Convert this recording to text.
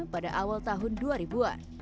pada awal tahun dua ribu an